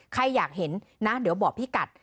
ใครอยากเห็นนะเดี๋ยวบอกพี่กัด